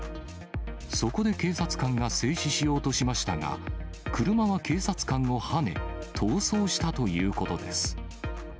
そこで警察官が制止しようとしましたが、車は警察官をはね、逃走したということです。